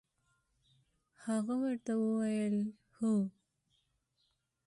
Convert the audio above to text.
هغه ورته وویل: هو.